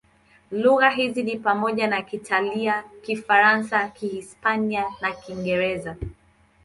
Lugha hizo ni pamoja na Kiitalia, Kifaransa, Kihispania na Kiingereza.